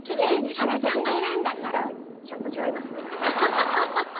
えっ原さんが選んだんならちょっと違いますね。